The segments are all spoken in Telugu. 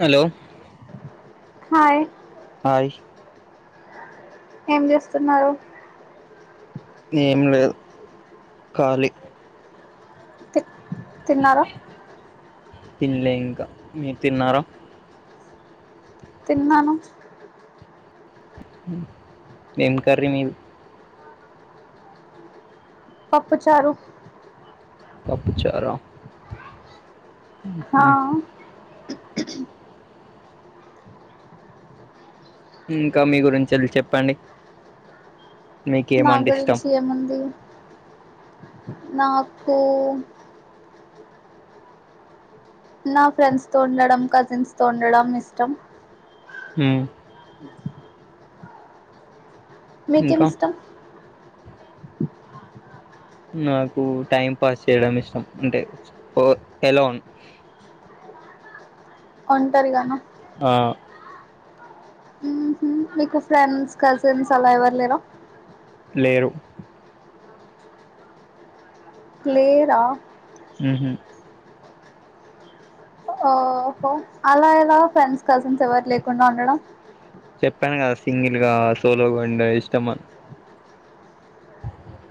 హలో హాయ్ హాయ్ ఏం చేస్తున్నారు ఏం లేదు ఖాళీ తి తిన్నారా తిన్లే ఇంకా మీరు తిన్నారా తిన్నాను ఏం కర్రీ మీది పప్పుచారు పప్పుచార హా ఇంకా మీ గురించెల్లి చెప్పండి నా మీకేమంటే ఇష్టం గురించి ఏముంది నాకు నా ఫ్రెండ్స్ తో ఉండడం కజిన్స్ తో ఉండడం ఇష్టం హు మీకే ఇంకా మిష్టం నాకు టైం పాస్ చేయడం ఇష్టం అంటే ఓ ఎలోన్ ఒంటరిగాన ఆ ఉహు మీకు ఫ్రెండ్స్ కజిన్స్ అలా ఎవ్వరు లేర లేరు లేరా ఉ హు ఓహో అలా ఎలా ఫ్రెండ్స్ కజిన్స్ ఎవరు లేకుండా ఉండడం చెప్పాను కదా సింగిల్ గా సోలోగా ఉండే ఇష్టమ్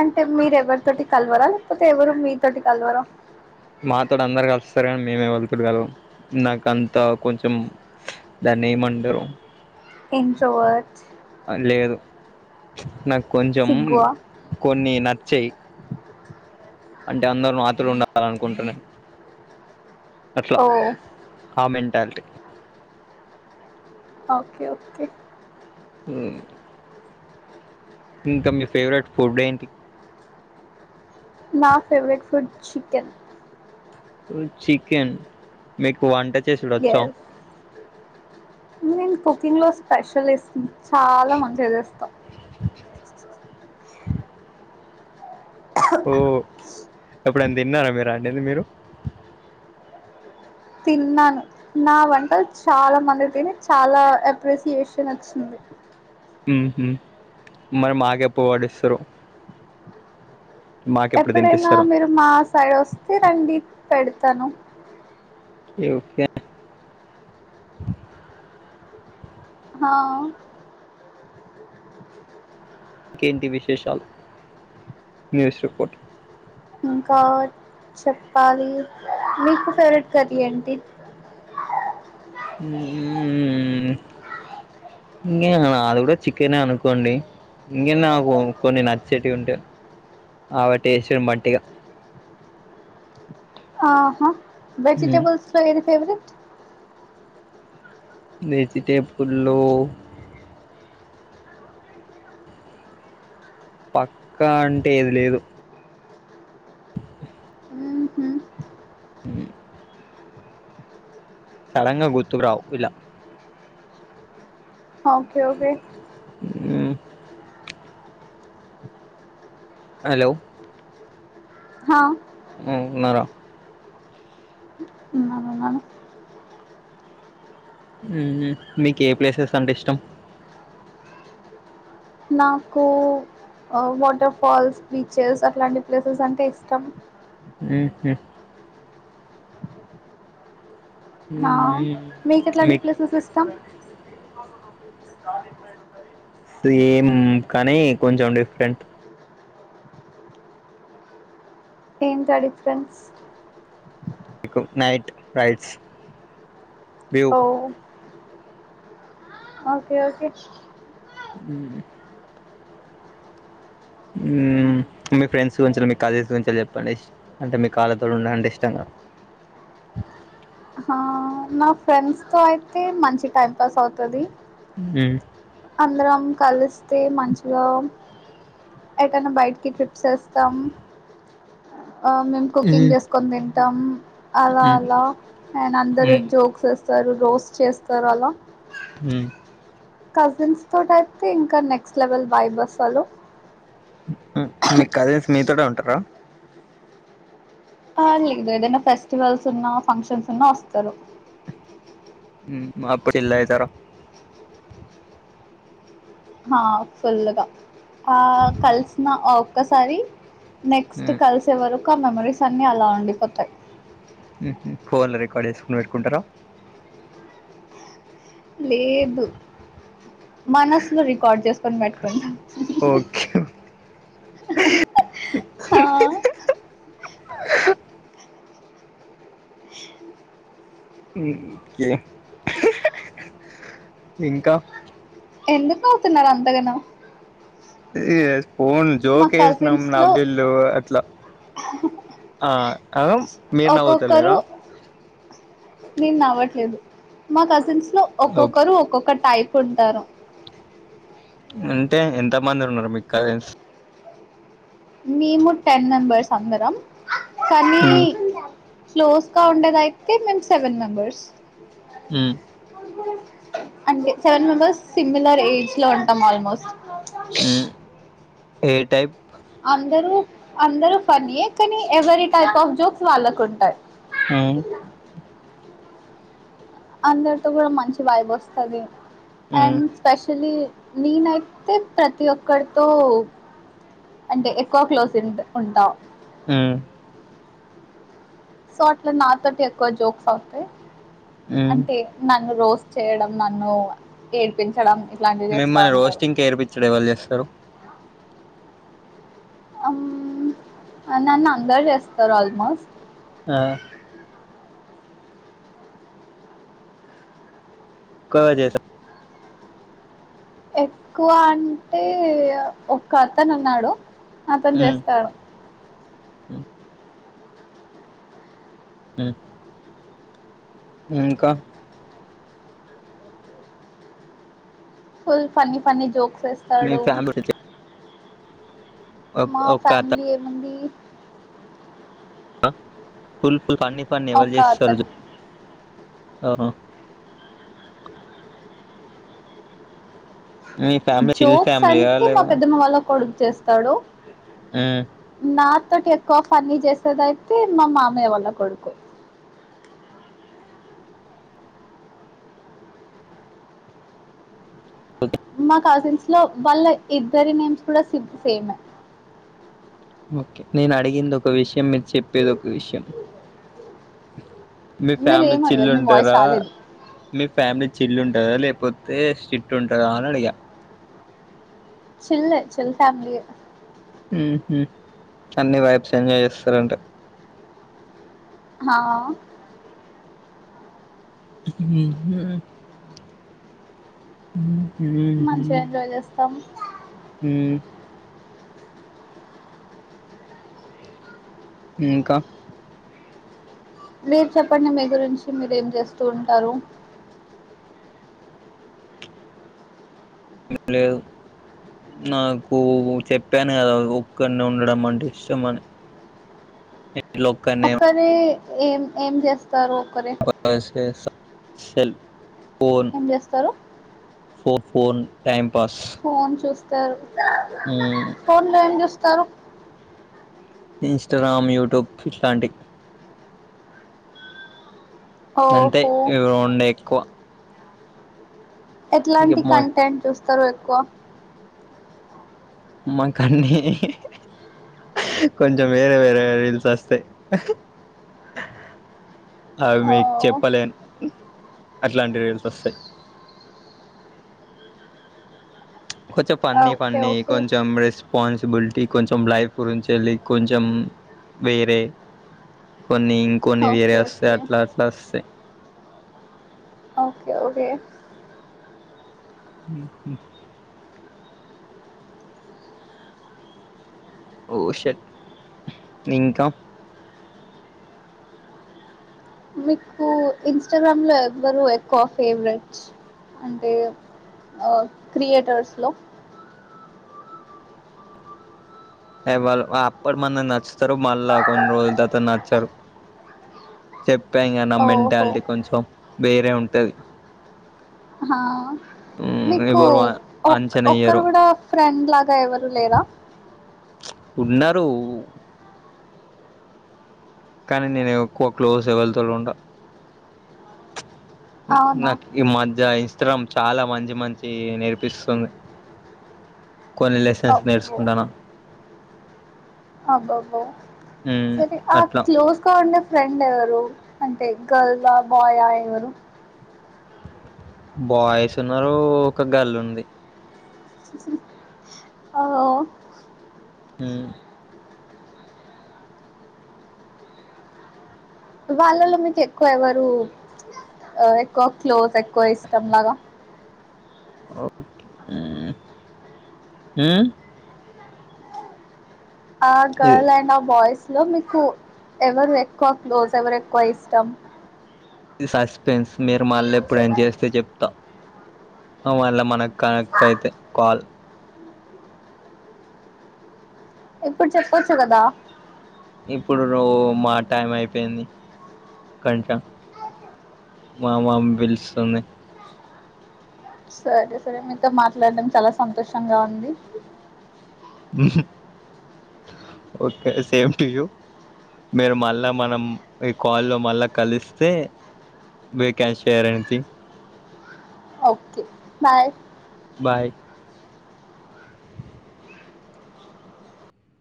అంటే మీరెవరితోటి కలవరా లేపోతే ఎవరు మీతోటి కలవరా మాతోడు అందరు కలిస్తారు కాని మేము ఎవాళ్లతోటి కలవం నాకు అంతా కొంచెం ధాన్ని ఏమంటారు ఇన్ చోవచ్చా అని లేదు నాకు కొంచెం సిగ్గువా కొన్ని నచ్చాయి అంటే అందరూ నాతోటి ఉండాలి అనుకుంట న్నేను అట్లా ఓ ఆ మెంటాలిటీ ఓకే ఓకే హు ఇంకా మీ ఫేవరెట్ ఫుడ్ ఏంటి నా ఫేవరెట్ ఫుడ్ చికెన్ ఓ చికెన్ మీకు వంట చేసుడొచ్చా ఎస్ నేను కుకింగ్ లో స్పెషలిస్టును చాలా మంచిగా చేస్తాం ఓ ఎప్పుడు అన్న తిన్నారా మీరు వండింది మీరు తిన్నాను నా వంట చాలా మంది తిని చాలా అప్రిసియేషన్ వచ్చింది ఉ మరి మాకు ఎప్పుడు వడ్డిస్తారు ఎప్పుడైనా తినిపిస్తారు మీరు మా సైడ్ వస్తే రండి పెడతాను యూకే అహా ఇంకేంటి విశేషాలు న్యూస్ రిపోర్ట్ ఇంకా చెప్పాలి మీకు ఫేవరెట్ కర్రీ ఏంటి ఉహు ఊ హు [inaudible] ఇంకే నాది కూడా చికెనే అనుకోండి ఇంకేంది అమే కు కొన్ని నచ్చేటివి ఉంటే ఆమె టేస్ట్ బట్టి ఇగ ఆహా వెజిటేబుల్స్ లో ఏది ఫేవరెట్ వెజిటేబుల్ లో పక్కా అంటే ఏది లేదు హు సడన్గా గుర్తుకు రావు ఇలా ఆమె కే ఏది [inaudible] హలో అహా హు ఉన్నారా అవునా హు మీకు ఏ ప్లేసెస్ అంటే ఇష్టం నాకు అ వాటర్ ఫాల్స్ బీచెస్ అట్లాంటి ప్లేసెస్ అంటే ఇష్టం [inaudible] ఆహా మీకు ఎట్లాంటి ప్లేసెస్ ఇష్టం [unintelligible] సేమ్ కానీ కొంచెం డిఫరెంట్ ఏంట ఆ డిఫరెన్స్ నైట్ రైడ్స్ వ్యూ ఓ ఓకే ఓకే ఉహు ఉహు మీ ఫ్రెండ్స్ గురించెల్లీ మీ కాలేజ్ గురించేల్లీ చెప్పండి ఇష్ అంటే మీకు వాళ్ళతో ఉండుడంటే ఇష్టంగా అహ నా ఫ్రెండ్స్ తో అయితే మంచి టైం పాస్ అవుతది ఊమ్ అందరం కలిస్తే మంచిగా ఎటన్న బయటికి ట్రిప్ సేస్తాం ఆ మేము కుకింగ్ మ్మ్ జేసుకొని తింటాం అలా మ్మ్ అలా అండ్ అందరు మ్మ్ స్తరు రోస్ట్ చేస్తారు అలా ఊమ్ కజిన్స్ తోటి అయితే ఇంకా నెక్స్ట్ లెవెల్ వైబ్ అసలు మీ కజిన్స్ మీతోటె ఉంటరా ఆ లేదు ఏదైనా ఫెస్టివల్స్ ఉన్నా ఫంక్షన్స్ ఉన్నా ఒస్తరు ఉమ్ అప్పుడు ఇల్లాయితరా ఆ ఫుల్గా ఆ కలిసిన అ ఒక్కసారి నెక్స్ట్ మ్మ్ కలిసే వరకు ఆ మెమరీస్ అన్ని అలా ఉండిపోతయి ఉహ్ హ్ ఫోన్లు రికార్డ్ ఏసుకుని పెట్టుకుంటరా లేదు మనసులో రికార్డ్ చేసుకొని పెట్టుకుంటాం ఉహ్ హ్ ఓకే ఆ [unintelligible] కే ఇంకా ఎందుకు నవుతున్నారు అంతగనం ఏ ఫోన్ మా జోకేష్ణం కజిన్స్ లో నవిల్లు అట్లా ఆ అ మీరు నవ్వుతలేరా ఒక్కొక్కరు నేను నవ్వట్లేదు మా కజిన్స్ లో ఓకే ఒక్కొక్కరు ఒక్కొక్క టైప్ కుంటారు అంటే ఎంతమంది ఉన్నారు మీకు కసీన్స్ మేము టెన్ మెంబర్స్ అందరం కనీ ఉమ్ క్లోజ్ గా ఉండేదయితే మేము సెవెన్ మెంబర్స్ ఊమ్ అంటే సెవెన్ మెంబర్స్ సిమిలర్ ఏజ్ లో ఉంటాం ఆల్మోస్ట్ ఉమ్ [unintelligible] ఏ టైప్ అందరూ అందరు ఫన్నియే కానీ ఎవరీ టైప్ ఆఫ్ జోక్స్ వాళ్ళకుంటయ్ ఊమ్ అందరితో గూడా మంచి వైబొస్తది ఉమ్ అండ్ స్పెషలీ నీనైతే ప్రతి ఒక్కరితో అంటే ఎక్కువ క్లోజ్ ఉం ఉంటాం ఊమ్ సో అట్లా నాతోటి ఎక్కువ జోక్స్ అవుతాయి ఉమ్ అంటే నన్ను రోస్ చేయడం నన్ను ఏడ్పించడం ఇట్లాంటివి చేస్తా మిమ్మల్ని ఉంటారు రోస్టింగ్ ఏర్పించడం ఎవలు చేస్తారు అమ్ నన్ను అందరు జేస్తరు ఆల్మోస్ట్ ఆ క జేస ఎక్కువ అంటే ఒక్క అతను ఉన్నాడు అతన్ ఉమ్ జేస్తాడు ఉమ్ ఇంకా ఫుల్ ఫన్నీ ఫన్నీ జోక్స్ మీ వేస్తాడు ఫ్యామిలీ మా ఒక అత ఫ్యామిలీ ఏముంది పుల్ ఫుల్ పాన్ని పాన్ని ఎవరు ఒక అతను చేస్తారుజు ఆ మీ ఫ్యామిలీ చిల్ జోక్స్ ఫ్యామిలీయా అంటే మా లేవా పెద్ద మా వాళ్ళ కొడుకు చేస్తాడు ఆ నాతోటి ఎక్కువ ఫన్నీ చేసేదైయితే మా మామయ్య వాళ్ళ కొడుకు [inaudible] మా కజిన్స్ లో వాళ్ళ ఇద్దరి నేమ్స్ కూడా సి సేమ్ ఓకే నేను అడిగింది ఒక విషయం మీరు చెప్పేది ఒక విషయం మీ మీరు ఫ్యామిలీ ఏం చిల్ అడిగారు మీ వాయిస్ ఉంటారా రాలేదు మీ ఫ్యామిలీ చిల్ ఉంటారా లేకపోతే స్టిక్ ఉంటారా అని అడిగా చిల్ చిల్ ఫ్యామిలీ యే హూ అన్ని వైప్స్ ఎంజాయ్ చేస్తారంట హా [unintelligible] మంచిగా ఎంజాయ్ మ్మ్ చేస్తాం మ్మ్ ఇంకా మీరు చెప్పండి మీ గురించి మీరు ఏం చేస్తూ ఉంటారు ఏం లేదు నాకు చెప్పాను కదా ఒక్కనే ఉండడం అంటే ఇష్టం అని [unintelligible] ఇట్లా ఒక్కడినే ఒక్కరే వే ఏం ఏం చేస్తాం సే స సల్ ఏం చేస్తారు ఫో ఫోన్ టైం ఫోన్ చూస్తారు హ్మ్. ఫోన్ లో ఏం చూస్తారు ఇంస్టాగ్రామ్ యూట్యూబ్ చాటింగ్ అంతే ఓహో ఈ రొండే ఎక్కువ ఇక ఎట్లాంటి మా కంటెంట్ చూస్తారు ఎక్కువ మాకాన్ని కొంచెం వేరే వేరే రీల్స్ వస్తాయి అవి ఓ మీకు చెప్పలేను అట్లాంటి రీల్స్ వస్తాయి [inaudible] కొంచెం ఫన్నీ ఓకే ఫన్నీ ఓకే కొంచెం రస్ రెస్పాన్సిబిలిటీ కొంచెం లైఫ్ గురించి వెళ్ళి కొంచెం వేరే కొన్ని ఇంకన్ని వేరే ఓకే వస్తాయి ఓకే అట్లా అట్లా వస్తాయి ఓకే ఓకే హ ఓషట్ ఇంకా మీకు ఇన్స్టాగ్రామ్ లో ఎవ్వరు ఎక్కువ ఫేవరెట్ అంటే ఆ క్రియేటర్స్ లో అ వాళ్ళ అప్పుడు మన నచ్చుతారు మళ్ళా కొన్ని రోజుల తరువాత నచ్చారు చెప్పగా నా ఓహో మెంటాలిటీ కొంచెం వేరే ఉంటది హా మీకు ఎవరు అంచనా ఒక్కరు ఎయ్యరు కూడా ఫ్రెండ్ లాగా ఎవరు లేరాా ఉన్నారు కానీ నేను ఎక్కువ క్లోజ్ ఎవల్తోను ఉండ అవునా నాకి మజ్జ చిత్రం చాలా మంచి మంచి నేర్పిస్తుంది కొలి లెసెన్స్ అబ్బో నేర్చుకుంటాన అబ్బబ్బో ఉమ్ సరే ఆ అట్లా క్లోస్ కా ఫ్రెండ్ ఎవరు అంటే గర్ల్ ఆ బాయ్ ఆ ఎవరు బాయ్స్ ఉన్నారు ఒక గల్ ఉంది ఓ మ్ వాళ్ళలో మీకు ఎక్కువ ఎవరు ఎవరెక్కువ క్లోజ్ ఎక్కువ ఇష్టం లాగా మ్ ఉమ్ ఆ ఇది గర్ల్ అయినా బాయ్స్ లో మీకు ఎవరు ఎక్కువ క్లోజ్ ఎవరు ఎక్కువ ఇష్టం ఇది సస్పెన్స్ మీరు మళ్ళ ఎప్పుడైన చేస్తే చెప్తా అవాల మనకు కనెక్ట్ అయితే కాల్ ఇప్పుడు చెప్పొచ్చు కదా ఇప్పుడు మా టైం అయిపోయింది కొంచెం మా మమ్మి పిలుస్తుంది సరే సరే మీతో మాట్లాడటం చాలా సంతోషంగా ఉంది ఓకే సేమ్ టూ యు మీరు మళ్ళా మనం ఈ కాల్లో మళ్ళా కలిస్తే we can share anything okay bye bye